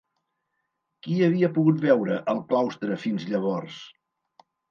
Qui havia pogut veure el claustre fins llavors?